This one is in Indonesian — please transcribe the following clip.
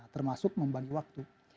termasuk membalik waktu